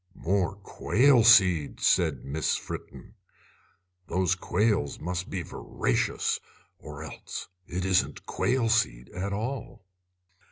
"More quail seed!" said Miss Fritten. "Those quails must be voracious, or else it isn't quail seed at all."